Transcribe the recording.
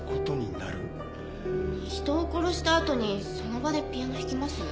うーん人を殺したあとにその場でピアノ弾きます？